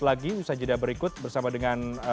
lagi usaha jeda berikut bersama dengan